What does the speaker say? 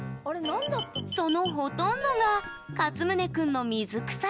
そのほとんどがかつむね君の水草用。